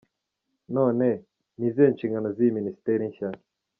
None, ni izihe nshingano z'iyi minisiteri nshya?.